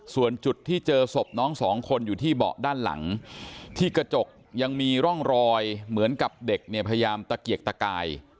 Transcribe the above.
ส่วนจุดที่เจอศพน้องสองคนอยู่ที่เบาะด้านหลังที่กระจกยังมีร่องรอยเหมือนกับเด็กเนี่ยพยายามตะเกียกตะกาย